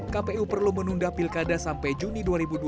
kpu perlu menunda pilkada sampai juni dua ribu dua puluh